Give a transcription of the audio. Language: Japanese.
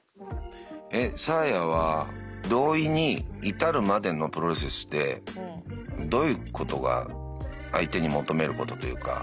えっサーヤは同意に至るまでのプロセスでどういうことが相手に求めることというか。